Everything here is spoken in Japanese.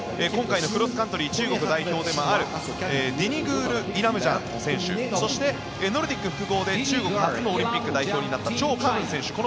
今回のクロスカントリー中国代表であるディニグール・イラムジャン選手そしてノルディック複合で中国初のオリンピック代表になったチョウ・カブン選手。